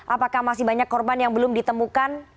apakah masih banyak korban yang belum ditemukan